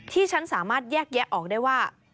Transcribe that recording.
ที่ฉันสามารถแยกแยะออกได้ว่า